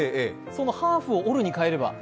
そのハーフを「折る」に変えれば。